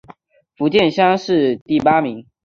福建乡试第八名。